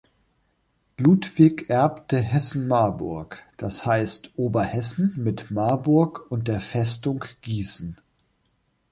Ludwig erbte Hessen-Marburg, das heißt Oberhessen mit Marburg und der Festung Gießen.